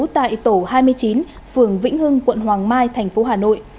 tại tổ hai mươi chín phường vĩnh hưng quận hoàng mai thành phố hà nội